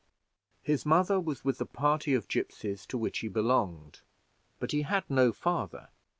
His mother was with the party of gipsies to which he belonged, but he had no father.